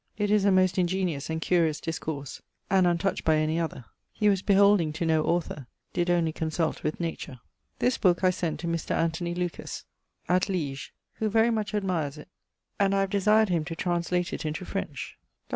It is a most ingeniose and curious discourse, and untouched by any other; he was beholding to no author; did only consult with nature. This booke I sent to Mr. Anthony Lucas, at Liege, who very much admires it and I have desired him to translate it into French. Dr.